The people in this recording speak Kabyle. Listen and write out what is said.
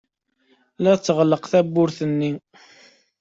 La tɣelleq tewwurt-nni.